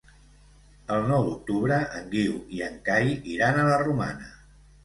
El nou d'octubre en Guiu i en Cai iran a la Romana.